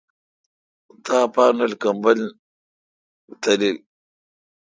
تا اپین رل کمبل تالیل۔